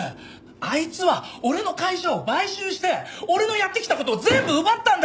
あいつは俺の会社を買収して俺のやってきた事を全部奪ったんだ！